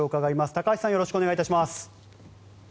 高橋さんよろしくお願いします。